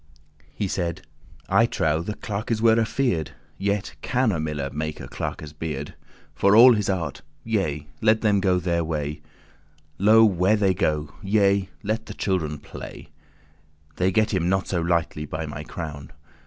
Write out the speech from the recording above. He said; I trow, the clerkes were afeard, Yet can a miller *make a clerkes beard,* *cheat a scholar* <15> For all his art: yea, let them go their way! Lo where they go! yea, let the children play: They get him not so lightly, by my crown."